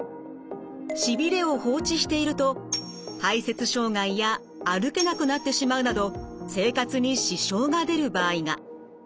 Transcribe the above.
しびれを放置していると排せつ障害や歩けなくなってしまうなど生活に支障が出る場合が。